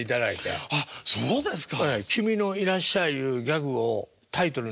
はあそうですか。